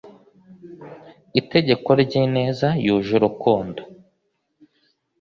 itegeko ry ineza yuje urukundo